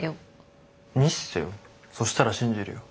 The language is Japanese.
そしたら信じるよ。